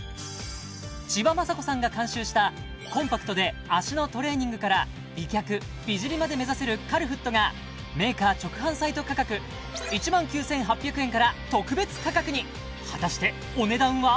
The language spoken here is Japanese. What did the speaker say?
千葉真子さんが監修したコンパクトで脚のトレーニングから美脚美尻まで目指せるカルフットがメーカー直販サイト価格１万９８００円から特別価格に果たしてお値段は？